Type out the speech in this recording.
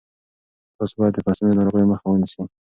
تاسو باید د فصلونو د ناروغیو مخه ونیسئ.